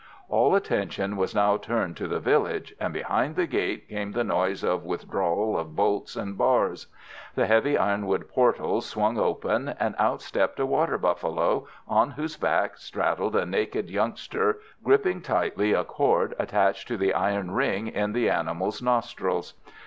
All attention was now turned to the village, and behind the gate came the noise of withdrawal of bolts and bars. The heavy ironwood portals swung open, and out stepped a water buffalo, on whose back straddled a naked youngster, gripping tightly a cord attached to the iron ring in the animal's nostrils.